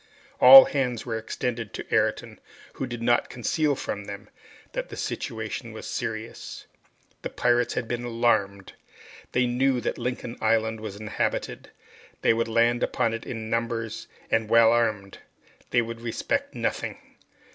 All hands were extended to Ayrton, who did not conceal from them that their situation was serious. The pirates had been alarmed. They knew that Lincoln Island was inhabited. They would land upon it in numbers and well armed. They would respect nothing.